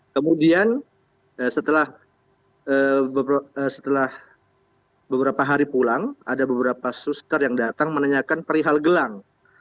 kemudian setelah beberapa hari pulang ada beberapa suster yang datang menanyakan perihal gelang